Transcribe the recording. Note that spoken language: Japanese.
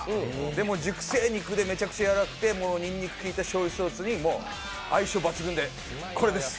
熟成肉でめちゃくちゃやわらかくてにんにくが効いた特製ソースで相性抜群で、これです。